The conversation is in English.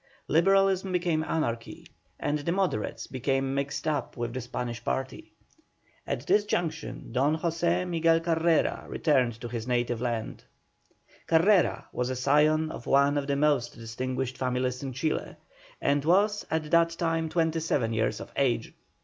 Liberalism became anarchy, and the Moderates became mixed up with the Spanish party. At this juncture Don José Miguel Carrera returned to his native land. Carrera was a scion of one of the most distinguished families of Chile, and was at that time twenty seven years of age.